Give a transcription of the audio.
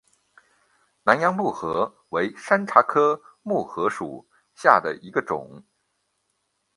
南洋木荷为山茶科木荷属下的一个种。